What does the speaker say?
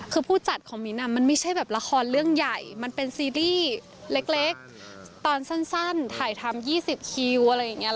คือผู้จัดของมิ้นมันไม่ใช่แบบละครเรื่องใหญ่มันเป็นซีรีส์เล็กตอนสั้นถ่ายทำ๒๐คิวอะไรอย่างนี้